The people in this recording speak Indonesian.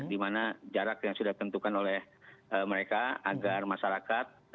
di mana jarak yang sudah tentukan oleh mereka agar masyarakat